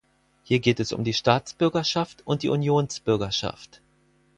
Hier geht es um die Staatsbürgerschaft und die Unionsbürgerschaft.